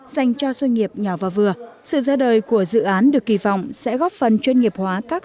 dành cho doanh nghiệp nhỏ và vừa sự ra đời của dự án được kỳ vọng sẽ góp phần chuyên nghiệp hóa các